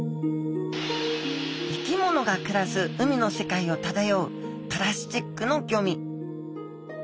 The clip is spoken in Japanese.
生き物が暮らす海の世界を漂うプラスチックのゴミ。